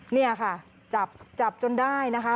นี่ค่ะจับจับจนได้นะคะ